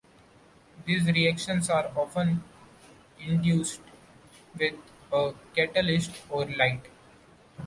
These reactions are often induced with a catalyst or light.